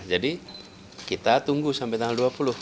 jadi kita tunggu sampai tanggal dua puluh